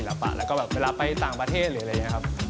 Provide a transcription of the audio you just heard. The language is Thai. น้ำพริกกะปิค่ะ